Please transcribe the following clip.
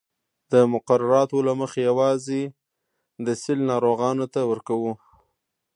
د مقرراتو له مخې یوازې د سِل ناروغانو ته ورکوو.